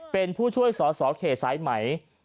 เป็นผู้ช่วยสอสอเขตสายไหม